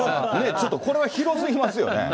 ちょっと、これは広すぎますよね。